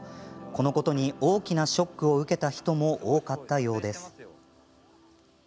このことに大きなショックを受けた人も多かったようです。